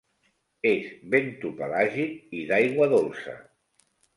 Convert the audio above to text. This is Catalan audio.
És bentopelàgic i d'aigua dolça.